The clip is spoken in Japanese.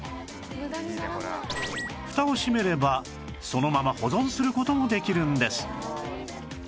フタを閉めればそのまま保存する事もできるんです